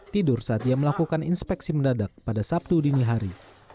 tidur saat ia melakukan inspeksi mendadak pada sabtu dini hari